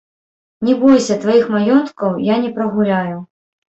Не бойся, тваіх маёнткаў я не прагуляю.